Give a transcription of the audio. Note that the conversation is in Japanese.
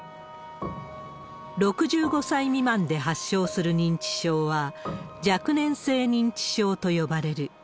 ６５歳未満で発症する認知症は、若年性認知症と呼ばれる。